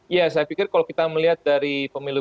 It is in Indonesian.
ya saya pikir kalau kita melihat dari pemilu